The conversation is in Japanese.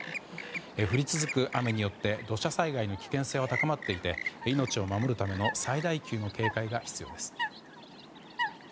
降り続く雨によって土砂災害の危険性が高まっていて命を守るための最大級の警戒が必要です。